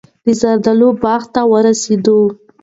د زردالو باغ ته ورسېد.